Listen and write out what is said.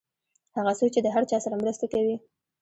هغه څوک چې د هر چا سره مرسته کوي.